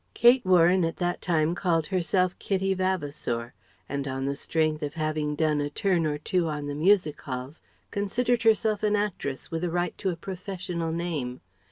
Kate Warren at that time called herself Kitty Vavasour; and on the strength of having done a turn or two on the music halls considered herself an actress with a right to a professional name.